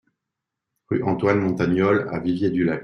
Rue Antoine Montagnole à Viviers-du-Lac